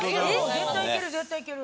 絶対いける絶対いける。